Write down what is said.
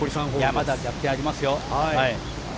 まだ逆転ありますよ。